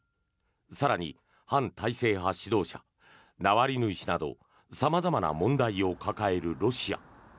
更に、反体制派指導者ナワリヌイ氏など様々な問題を抱えるロシア。